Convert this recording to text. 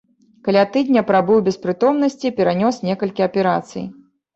Каля тыдня прабыў без прытомнасці, перанёс некалькі аперацый.